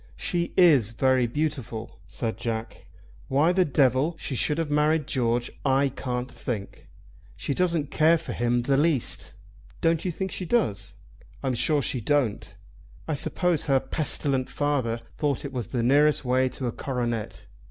"She is very beautiful," said Jack. "Why the devil she should have married George, I can't think. She doesn't care for him the least." "Don't you think she does?" "I'm sure she don't. I suppose her pestilent father thought it was the nearest way to a coronet.